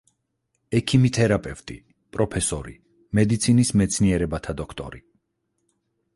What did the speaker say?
ექიმი-თერაპევტი, პროფესორი, მედიცინის მეცნიერებათა დოქტორი.